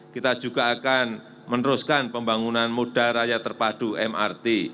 kita juga akan meneruskan pembangunan muda raya terpadu mrt